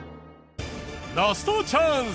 ラストチャンス！